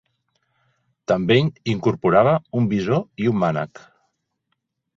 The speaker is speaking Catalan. També incorporava un visor i un mànec.